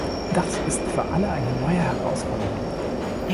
Das ist für alle eine neue Herausforderung.